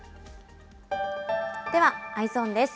では、Ｅｙｅｓｏｎです。